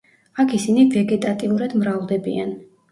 აქ ისინი ვეგეტატიურად მრავლდებიან.